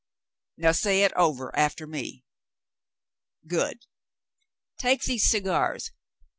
Now say it oyer after me. Good ! Take these cigars."